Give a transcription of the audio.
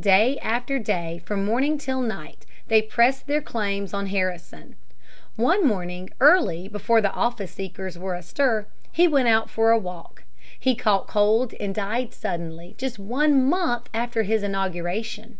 Day after day, from morning till night, they pressed their claims on Harrison. One morning early, before the office seekers were astir, he went out for a walk. He caught cold and died suddenly, just one month after his inauguration.